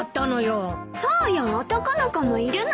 そうよ男の子もいるのに。